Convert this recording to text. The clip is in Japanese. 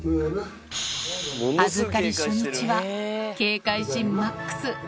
預かり初日は、警戒心マックス。